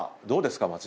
どうですか？